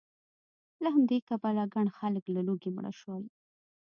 له همدې کبله ګڼ خلک له لوږې مړه شول